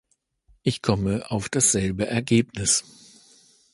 Ich komme auf dasselbe Ergebnis.